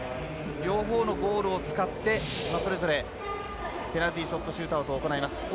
両方のゴールを使ってそれぞれペナルティーショットシュートアウトを行います。